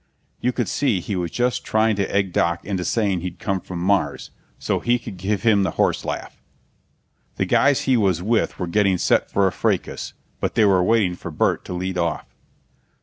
You could see he was just trying to egg Doc into saying he'd come from Mars, so he could give him the horse laugh. The guys he was with were getting set for a fracas, but they were waiting for Burt to lead off.